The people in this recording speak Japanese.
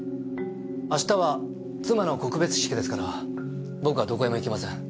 明日は妻の告別式ですから僕はどこへも行きません。